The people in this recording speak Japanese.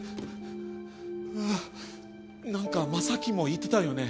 なんか将希も言ってたよね？